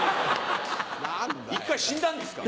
一回死んだんですか？